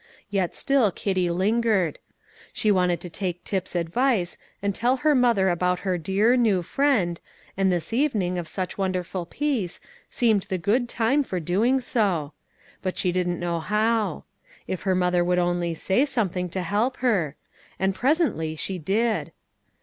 Yet still Kitty lingered. She wanted to take Tip's advice, and tell her mother about her dear, new Friend, and this evening, of such wonderful peace, seemed the good time for doing so; but she didn't know how. If her mother would only say something to help her! and presently she did.